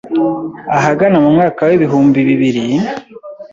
Ahagana mu mwaka wi ibihumbi bibiri